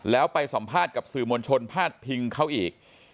แล้วไปสัมภาษณ์กับสื่อมวลชนพาดพิงเขาอีก